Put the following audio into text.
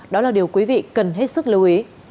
đó là điều quý vị cần hết sức lưu ý